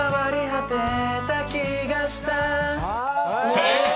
［正解！］